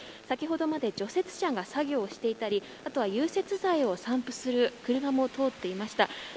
先ほどまで除雪車が作業していたりあとは融雪剤を散布する車も通っていました。